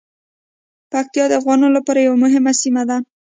پکتیا د افغانانو لپاره یوه مهمه سیمه ده.